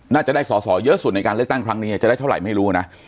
น่าจะได้สอสอเยอะสุดในการเลือกตั้งครั้งนี้จะได้เท่าไหร่ไม่รู้นะ